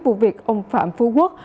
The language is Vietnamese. vụ việc ông phạm phú quốc